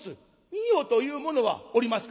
みよという者はおりますか？」。